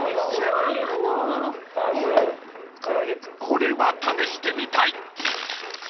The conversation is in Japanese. ［これは試してみたい］